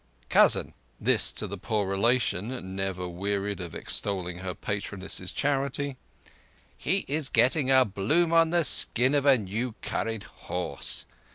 Cousin,"—this to the poor relation, never wearied of extolling her patroness's charity—"he is getting a bloom on the skin of a new curried horse.